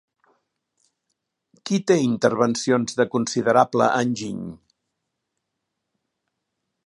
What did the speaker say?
Qui té intervencions de considerable enginy?